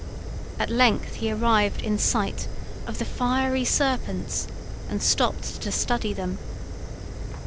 At length he arrived in sight of the fiery serpents, and stopped to study them.